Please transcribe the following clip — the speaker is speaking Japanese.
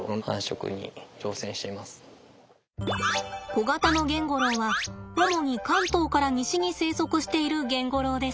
コガタノゲンゴロウは主に関東から西に生息しているゲンゴロウです。